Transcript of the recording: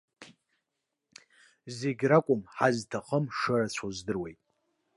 Зегьы ракәым, ҳазҭахым шырацәоу здыруеит!